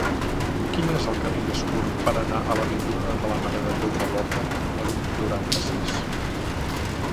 Quin és el camí més curt per anar a l'avinguda de la Mare de Déu de Lorda número noranta-sis?